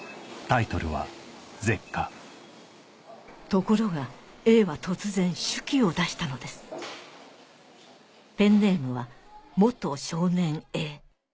ところがＡは突然手記を出したのですペンネームは「元少年Ａ」